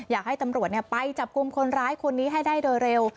อยากให้ตำรวจไปจับกลุ่มคนร้ายคนนี้ให้ได้โดยเร็ว